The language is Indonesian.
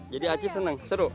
jadi acih seneng seru gak